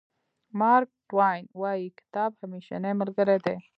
مارک ټواین وایي کتاب همېشنۍ ملګری دی.